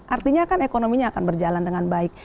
artinya kan ekonominya akan berjalan dengan baik